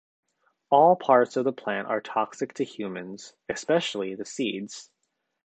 All parts of the plant are toxic to humans, especially the seeds.